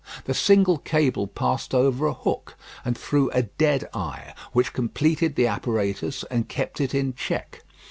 The single cable passed over a hook, and through a dead eye, which completed the apparatus, and kept it in check.